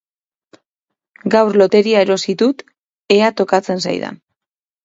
Gaur lotería erosi dut ea tokatzen zaidan.